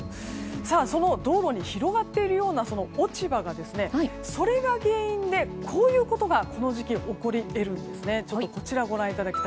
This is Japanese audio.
その道路に広がっているような落ち葉がそれが原因でこういうことがこの時期、起こり得るんですね。